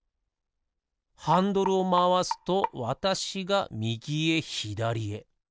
ハンドルをまわすとわたしがみぎへひだりへ。